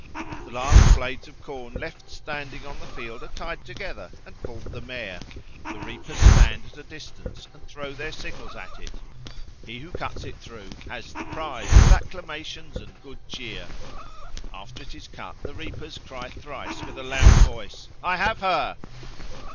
The last blades of corn left standing on the field are tied together and called the Mare. The reapers stand at a distance and throw their sickles at it; he who cuts it through "has the prize, with acclamations and good cheer." After it is cut the reapers cry thrice with a loud voice, "I have her!"